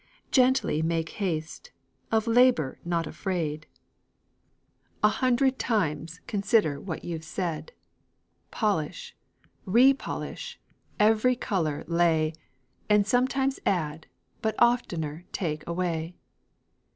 Gently make haste, of labor not afraid; A hundred times consider what you've said; Polish, repolish, every color lay, And sometimes add, but oftener take away.